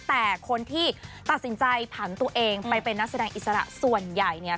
แต่คนที่ตัดสินใจผันตัวเองไปเป็นนักแสดงอิสระส่วนใหญ่เนี่ย